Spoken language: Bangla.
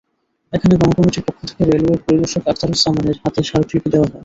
এখানে গণকমিটির পক্ষ থেকে রেলওয়ের পরিদর্শক আখতারুজামানের হাতে স্মারকলিপি দেওয়া হয়।